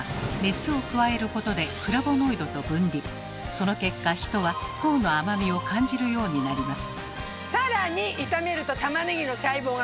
その結果人は糖の甘みを感じるようになります。